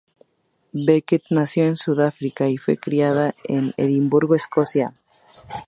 Beckett nació en Sudáfrica y fue criada en Edimburgo, Escocia.